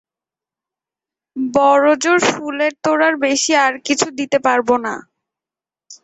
বড়োজোর ফুলের তোড়ার বেশি আর কিছু দিতে পারবে না।